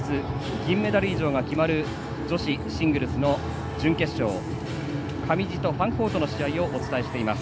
銀メダル以上が決まる女子シングルスの準決勝上地とファンコートの試合をお伝えしています。